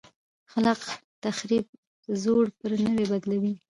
خلاق تخریب زوړ پر نوي بدلوي.